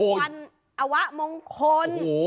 วันอวะมงคล